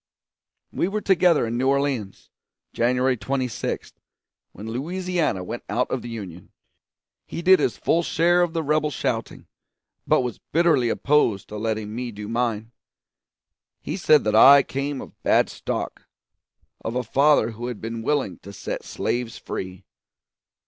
We were together in New Orleans, January 26, when Louisiana went out of the Union. He did his full share of the rebel shouting, but was bitterly opposed to letting me do mine. He said that I came of bad stock of a father who had been willing to set slaves free.